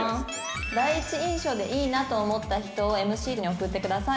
第一印象でいいなと思った人をＭＣに送ってください。